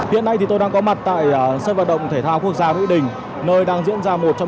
hiện nay thì tôi đang có mặt tại sân vật động thể thao quốc gia vĩ đình nơi đang diễn ra một trong